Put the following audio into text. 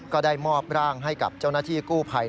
ก็ได้มอบร่างให้กับเจ้าหน้าที่กู้ภัย